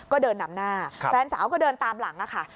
ก็เดินนำหน้าแฟนสาวก็เดินตามหลังค่ะ